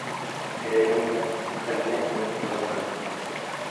Киреһенсә, хәленә инер урынға...